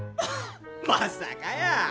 まさかやー。